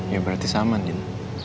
ya berarti sama din